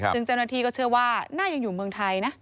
ซึ่งเจ้าหน้าที่ก็เชื่อว่าน่ายังอยู่เมืองไทยนะ